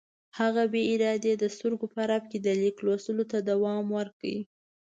هغه بې ارادې د سترګو په رپ کې د لیک لوستلو ته دوام ورکړ.